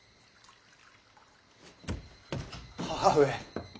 母上。